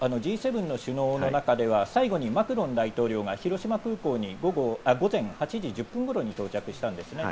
きょうＧ７の首脳の中では、最後にマクロン大統領が広島空港に午前８時１０分ごろに到着したんですね。